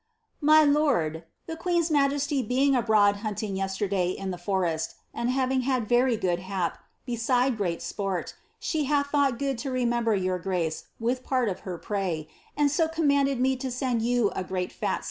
" My lord, •The queen's majesty being abroad hunting yesterday in the forest, and hav Bf had very good hap, beside groat sport, she hath thought goo<l to remember foor grace with part of her prey, and so commanded me to send you a great fat Wf.